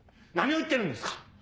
何を言ってるんですか。